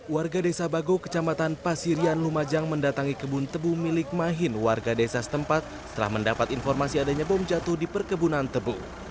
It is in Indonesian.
warga desa bago kecamatan pasirian lumajang mendatangi kebun tebu milik mahin warga desa setempat setelah mendapat informasi adanya bom jatuh di perkebunan tebu